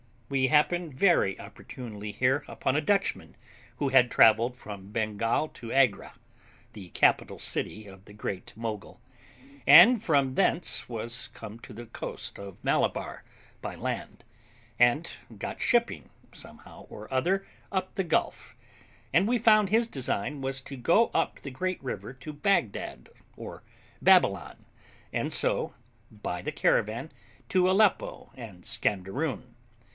We happened very opportunely here upon a Dutchman, who had travelled from Bengal to Agra, the capital city of the Great Mogul, and from thence was come to the coast of Malabar by land, and got shipping, somehow or other, up the Gulf; and we found his design was to go up the great river to Bagdad or Babylon, and so, by the caravan, to Aleppo and Scanderoon.